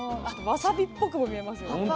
あとわさびっぽくも見えますよね。